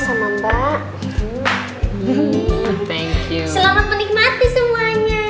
selamat menikmati semuanya